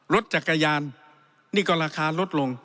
รถจักรยานนี่ก็ราคาลดลง